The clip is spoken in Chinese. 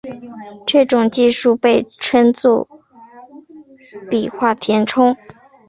这种技术被称作笔画填充。